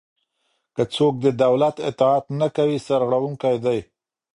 که څوک د دولت اطاعت نه کوي سرغړونکی دی.